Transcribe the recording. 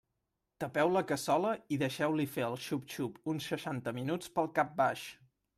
Tapeu la cassola i deixeu-li fer el xup-xup uns seixanta minuts pel cap baix.